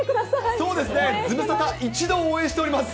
そうですね、ズムサタ一同応援しております。